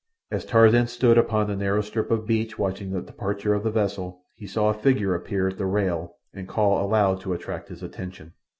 As Tarzan stood upon the narrow strip of beach watching the departure of the vessel he saw a figure appear at the rail and call aloud to attract his attention.